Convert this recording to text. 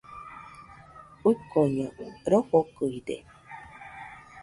Uiñoko rofokɨide